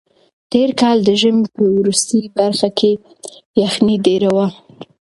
تېر کال د ژمي په وروستۍ برخه کې یخنۍ ډېره وه.